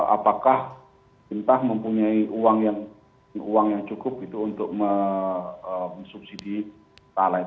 apakah bintang mempunyai uang yang cukup untuk subsidi talet